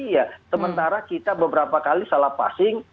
iya sementara kita beberapa kali salah passing